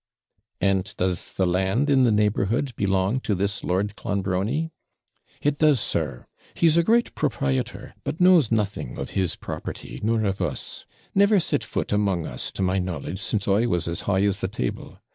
'And does the land in the neighbourhood belong to this Lord Clonbrony?' 'It does, sir; he's a great proprietor, but knows nothing of his property, nor of us. Never set foot among us, to my knowledge, since I was as high as the table.